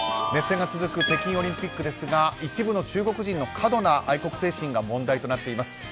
熱戦が続く北京オリンピックですが一部の中国人の過度な愛国精神が問題となっています。